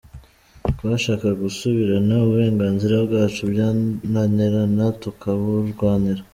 Twashakaga gusubirana uburenganzira bwacu, byananirana tukaburwanira.